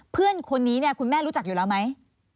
เพื่อนคนนี้เนี่ยคุณแม่รู้จักอยู่แล้วไหม